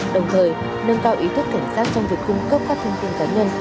đồng thời nâng cao ý thức cảnh sát trong việc cung cấp các thông tin cá nhân